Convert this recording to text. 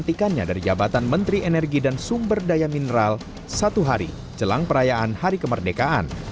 dihatikannya dari jabatan menteri energi dan sumber daya mineral satu hari jelang perayaan hari kemerdekaan